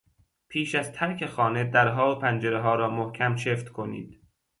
پیش از ترک خانه درها و پنجرهها را محکم چفت کنید.